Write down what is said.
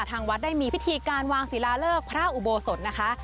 ทางวัดได้มีพิธีการวางศิลาเลิกพระอุโบสถนะคะ